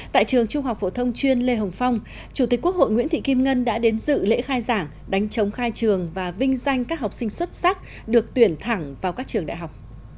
tại trường trung học phổ thông chuyên lê hồng phong chủ tịch quốc hội nguyễn thị kim ngân đã đến dự lễ khai giảng đánh chống khai trường và vinh danh các học sinh xuất sắc được tuyển thẳng vào các trường đại học